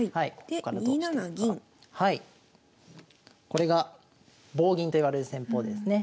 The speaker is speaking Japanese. これが棒銀といわれる戦法ですね。